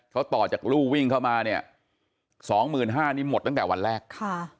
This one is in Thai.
เขาต่อจากรู่วิ่งเข้ามา๒๕๐๐๐บาทหมดตั้งแต่วันแรก